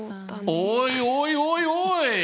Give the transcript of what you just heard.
おいおいおいおい！